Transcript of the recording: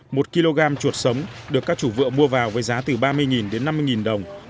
một kg chuột sống được các chủ vựa mua vào với giá từ ba mươi đến năm mươi đồng